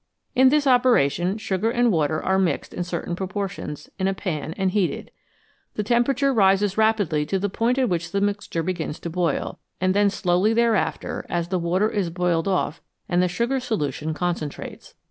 In this operation sugar and water are mixed in certain proportions in a pan and heated ; the temperature rises rapidly to the point at which the mixture begins to boil, and then slowly thereafter as the water is boiled off and the sugar solution concentrates.